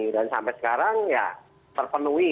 dan sampai sekarang ya terpenuhi